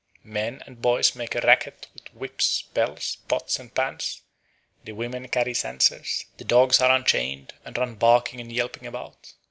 Men and boys make a racket with whips, bells, pots, and pans; the women carry censers; the dogs are unchained and run barking and yelping about.